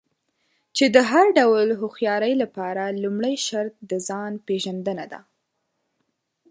چې د هر ډول هوښيارۍ لپاره لومړی شرط د ځان پېژندنه ده.